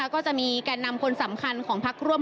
ก็จะมีแก่นำคนสำคัญของพักร่วม